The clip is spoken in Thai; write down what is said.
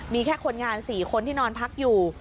มีแค่คนงาน๔คนที่นอนพักอยู่